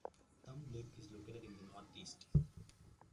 Thumb Lake is located in the northeast.